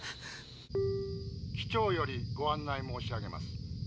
「機長よりご案内申し上げます。